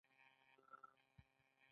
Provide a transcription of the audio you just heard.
هغوی غواړي چې خپلې اړتیاوې ورباندې پوره کړي